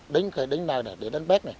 đến nơi này để đến bếp